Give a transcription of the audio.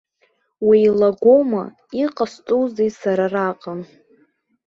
Уеилагоума, иҟасҵозеи сара араҟа?